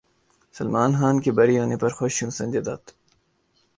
سلمان خان کے بری ہونے پر خوش ہوں سنجے دت